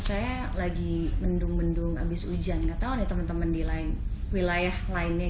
saya lagi mendung mendung habis hujan nggak tahu nih temen temen di lain wilayah lainnya